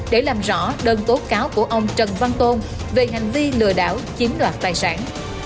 để làm rõ đơn tố cáo của ông trần văn tôn về hành vi lừa đảo chiếm đoạt tài sản